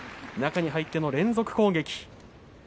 中に入っての連続攻撃。